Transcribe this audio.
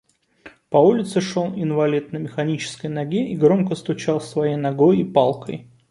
По улице шел инвалид на механической ноге и громко стучал своей ногой и палкой.